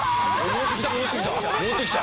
戻ってきた